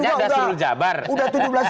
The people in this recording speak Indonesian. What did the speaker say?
ini rakyat cerdas